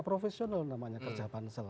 profesional namanya kerja pansel